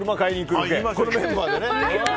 このメンバーでね。